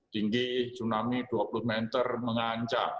tinggi tsunami dua puluh meter mengancak